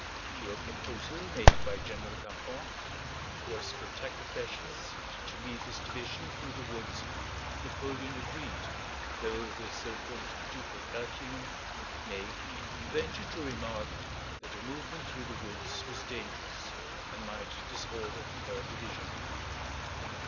To a proposal made by General Campan (who was to attack the flèches) to lead his division through the woods, Napoleon agreed, though the so called Duke of Elchingen (Ney) ventured to remark that a movement through the woods was dangerous and might disorder the division.